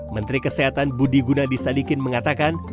menteri kesehatan budi gunadisadikin mengatakan